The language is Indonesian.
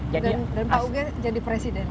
dan pak uge jadi presiden